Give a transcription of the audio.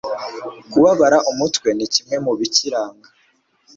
kubabara umutwe nibimwe mubikiranga